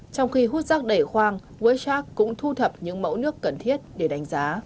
trong khi hút rác đầy khoang westrack cũng thu thập những mẫu nước cần thiết để đánh giá